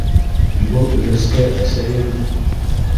Был өләскә... әсәйем...